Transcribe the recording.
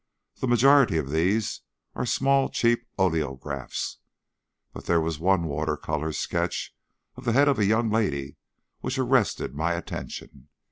The majority of these are small cheap oleographs, but there was one water colour sketch of the head of a young lady which arrested my attention.